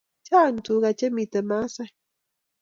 Chang tuka che miten maasai